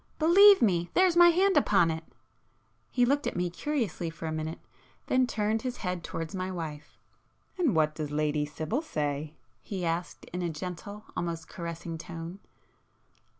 Believe me!—there's my hand upon it!" He looked at me curiously for a minute,—then turned his head towards my wife. "And what does Lady Sibyl say?" he asked in a gentle, almost caressing tone.